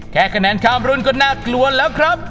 แค่คะแนนข้ามรุ่นก็น่ากลัวแล้วครับ